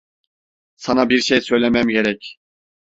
Sana bir şey söylemem gerek.